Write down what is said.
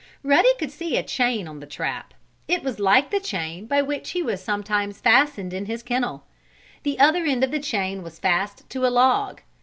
Ruddy could see a chain on the trap. It was like the chain by which he was sometimes fastened in his kennel. The other end of the chain was fast to a log.